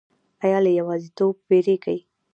ایا له یوازیتوب ویریږئ؟